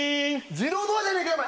自動ドアじゃねえかお前。